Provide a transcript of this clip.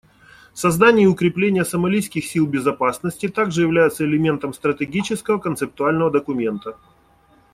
Создание и укрепление сомалийских сил безопасности также являются элементом стратегического концептуального документа.